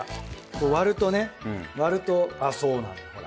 こう割るとね割るとあっそうなんだよほら。